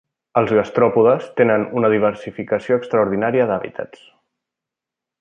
Els gastròpodes tenen una diversificació extraordinària d'hàbitats.